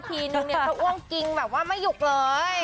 ทีนึงเนี่ยเขาอ้วงกิงแบบว่าไม่หยุกเลย